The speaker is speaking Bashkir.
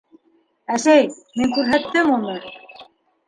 — Әсәй, мин күрһәттем уны...